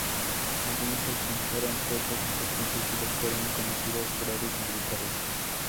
Algunos alcanzaron puestos importantes y les fueron reconocidos grados militares.